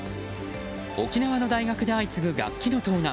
沖縄の大学で相次ぐ楽器の盗難。